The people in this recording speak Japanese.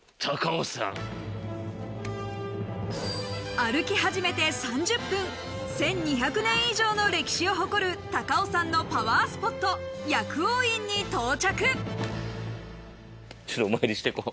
歩き始めて３０分１２００年以上の歴史を誇る高尾山のパワースポットお参りして行こう！